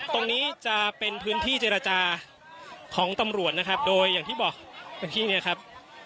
ตรงนี้จะเป็นพื้นที่เจรจาของตำรวจนะครับโดยอย่างที่บอกเมื่อกี้เนี่ยครับ